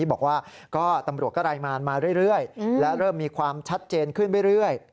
บอกว่าก็ตำรวจก็รายงานมาเรื่อยและเริ่มมีความชัดเจนขึ้นเรื่อย